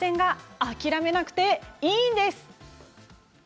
諦めなくていいんです。